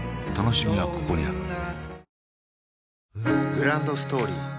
グランドストーリー